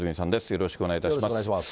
よろしくお願いします。